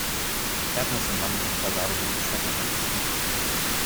Erdnüsse, Mandeln und Wasabinüsse schmecken auch als Snack.